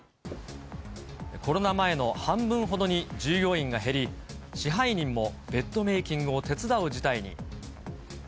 コロナ前の半分ほどに従業員が減り、支配人もベッドメーキングを手伝う事態に。